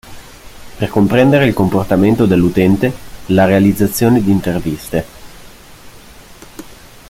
Per comprendere il comportamento dell'utente la realizzazione di interviste.